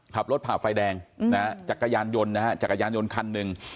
ขับรถผ่าไฟแดงนะฮะจักรยานยนต์นะฮะจักรยานยนต์คันหนึ่ง